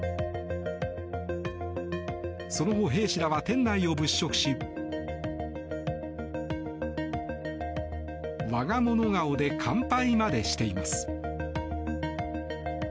その後、兵士らは店内を物色し我が物顔で乾杯までしています。